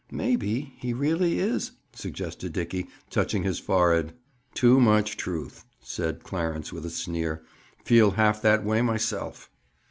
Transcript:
"Maybe, he really is—" suggested Dickie, touching his forehead. "Too much truth!" said Clarence with a sneer. "Feel half that way, myself!"